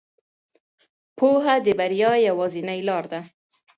پوهه د بریا یوازینۍ لار ده.